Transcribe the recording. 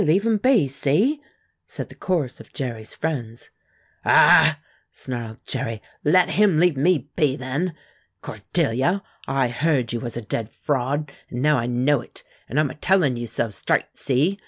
Leave him be see?" said the chorus of Jerry's friends. "A a a h!" snarled Jerry. "Let him leave me be, then. Cordelia, I heard you was a dead fraud, an' now I know it, and I'm a tellin' you so, straight see?